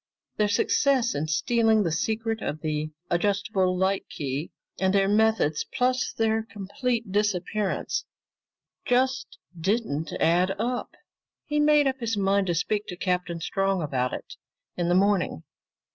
Their success in stealing the secret of the adjustable light key, and their methods, plus their complete disappearance, just didn't add up. He made up his mind to speak to Captain Strong about it in the morning.